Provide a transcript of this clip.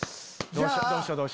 どうしよう？